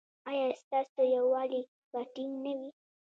ایا ستاسو یووالي به ټینګ نه وي؟